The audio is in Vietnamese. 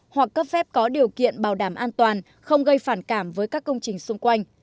hoặc cấp phép có điều kiện bảo đảm an toàn không gây phản cảm với các công trình xung quanh